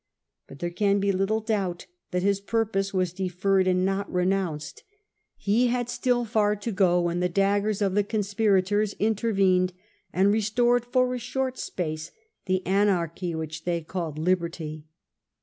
But there can be little doubt that his pur pose was deferred and not renounced. He had still far to go when the daggers of the conspirators intervened, and restored for a short space the anarchy which they called liberty.